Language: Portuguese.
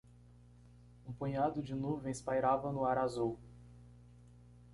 Um punhado de nuvens pairava no ar azul.